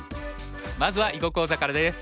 まずは囲碁講座からです。